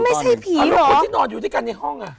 ไม่ใช่ผีแล้วคนที่นอนอยู่ด้วยกันในห้องอ่ะ